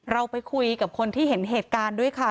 เราไปคุยกับคนที่เห็นเหตุการณ์ด้วยค่ะ